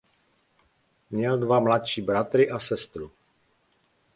Měl dva mladší bratry a sestru.